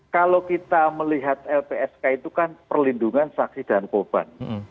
kalau kita melihat lpsk itu kan perlindungan saksi dan korban